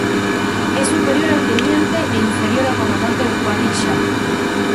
Es superior al Teniente e inferior al Comandante de Escuadrilla.